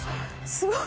すごい！